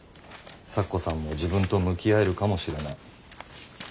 咲子さんも自分と向き合えるかもしれない。